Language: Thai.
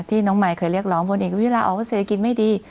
ที่น้องมายเคยเรียกร้องผลเอกประยุทธ์ลาออกเพราะเศรษฐกิจไม่ดี